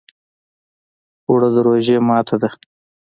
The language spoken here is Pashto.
اوړه د روژې ماته ده